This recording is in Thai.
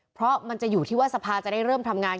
เพราะมันจะอยู่ที่ว่าสภาจะได้เริ่มทำงาน